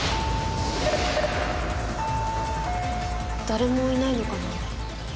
誰もいないのかな？